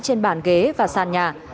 trên bàn ghế và sàn nhà